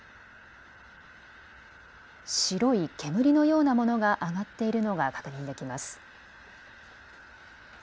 白い煙のようなものが上がっているのが確認できます。